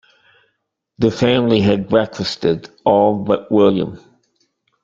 The family had breakfasted, all but William.